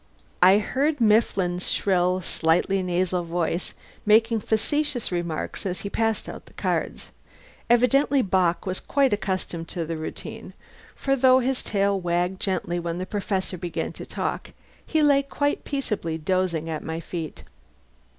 I heard Mifflin's shrill, slightly nasal voice making facetious remarks as he passed out the cards. Evidently Bock was quite accustomed to the routine, for though his tail wagged gently when the Professor began to talk, he lay quite peaceably dozing at my feet.